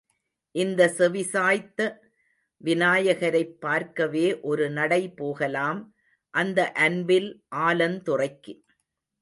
இந்த செவிசாய்த்த விநாயகரைப் பார்க்கவே ஒரு நடைபோகலாம், அந்த அன்பில் ஆலந்துறைக்கு.